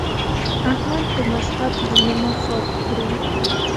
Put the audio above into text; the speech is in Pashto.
احمد د مذهب له نومه خار خوري.